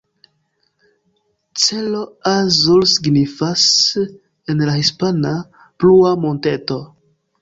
Cerro Azul signifas en la hispana "Blua Monteto".